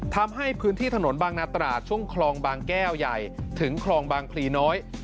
ทำให้พื้นที่ถนนบางนาตราดช่วงคลองบางแก้วใหญ่ถึงคลองบางพลีน้อย